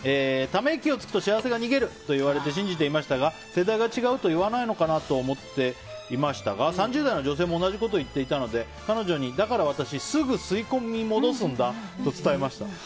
ため息をつくと幸せが逃げるといわれて信じていましたが世代が違うと言わないのかなと思っていましたが３０代の女性も同じことを言っていたので彼女に、だから私すぐ吸い込み戻すんだと伝えました。